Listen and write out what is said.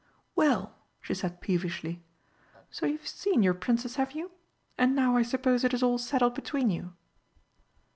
"Well," she said peevishly; "so you've seen your Princess, have you? And now I suppose it is all settled between you?"